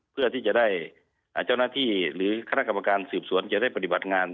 เพื่อที่จะได้เจ้าหน้าที่หรือคณะกรรมการสืบสวนจะได้ปฏิบัติงาน